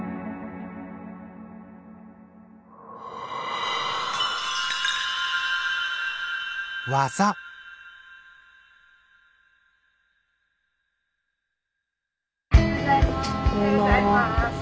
おはようございます。